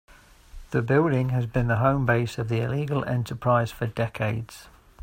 The building has been the home base of the illegal enterprise for decades.